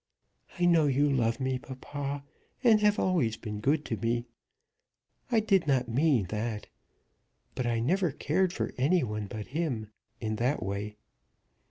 "I know you love me, papa, and have always been good to me. I did not mean that. But I never cared for any one but him, in that way."